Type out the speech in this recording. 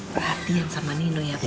perhatian sama nino ya pak